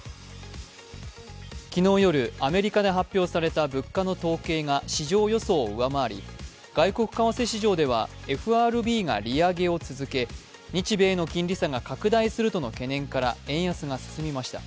昨日夜アメリカで発表された物価の統計が市場予想を上回り外国為替市場ではＦＲＢが利上げを続け、日米の金利差が拡大するとの懸念から円安が進みました。